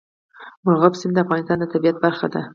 مورغاب سیند د افغانستان د طبیعت برخه ده.